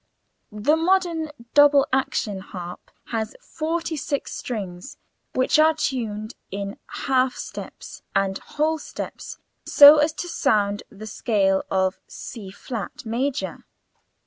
] The modern double action harp has forty six strings, which are tuned in half steps and whole steps so as to sound the scale of C[flat] major.